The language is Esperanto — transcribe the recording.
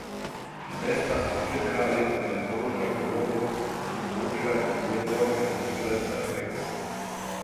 Ĝi estas ĝenerale helbruna kolombo kun ruĝaj piedoj kaj nigreca beko.